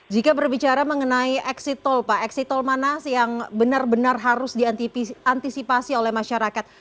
jika berbicara mengenai exit tol pak exit tol mana yang benar benar harus diantisipasi oleh masyarakat